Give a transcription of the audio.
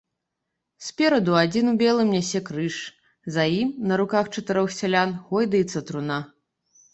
Спераду адзін у белым нясе крыж, за ім на руках чатырох сялян гойдаецца труна.